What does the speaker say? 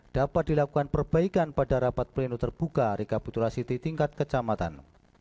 dapat dilakukan perbaikan pada rapat pleno terbuka rekapitulasi di tingkat kecamatan